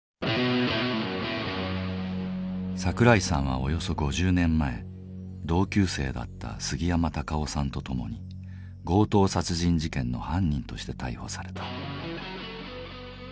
桜井さんはおよそ５０年前同級生だった杉山卓男さんと共に強盗殺人事件の犯人として逮捕された。